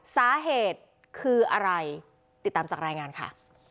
สาเหตุคืออะไรติดตามจากรายงานค่ะ